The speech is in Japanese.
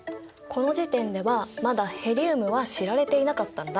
この時点ではまだヘリウムは知られていなかったんだ。